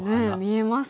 見えます。